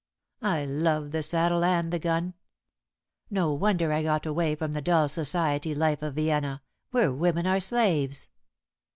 I love the saddle and the gun. No wonder I got away from the dull Society life of Vienna, where women are slaves."